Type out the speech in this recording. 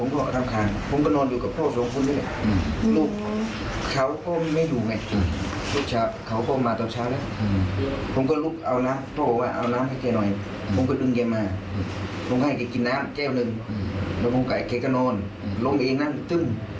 แค่ว่าหนึ่งแล้วผมไกลแค่กะโน้นร่วมเองนั้นจึง